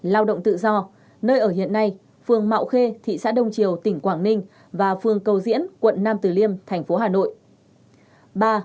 lao động tự do nơi ở hiện nay phường mạo khê thị xã đông triều tỉnh quảng ninh và phường cầu diễn quận nam tử liêm tp hcm